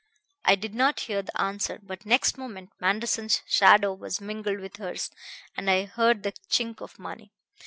I did not hear the answer, but next moment Manderson's shadow was mingled with hers, and I heard the chink of money.